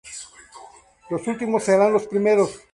Los últimos serán los primeros